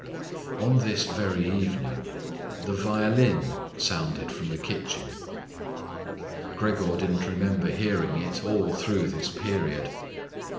On this very evening the violin sounded from the kitchen. Gregor didn't remember hearing it all through this period.